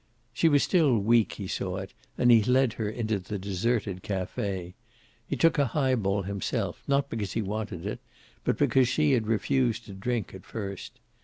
She was still weak, he saw, and he led her into the deserted cafe. He took a highball himself, not because he wanted it, but because she refused to drink, at first.